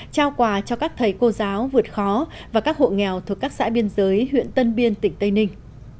trao quà cho các thầy cô giáo vượt khó và các hộ nghèo thuộc các xã biên giới huyện tân biên tỉnh tây ninh